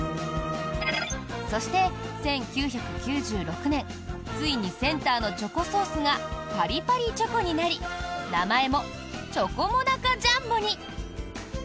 そして、１９９６年ついにセンターのチョコソースがパリパリチョコになり名前もチョコモナカジャンボに。